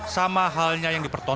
sama halnya yang diperhatikan